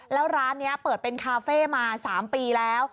แล้วร้านนี้เปิดเป็นคาเฟ่มา๓ปีแล้ว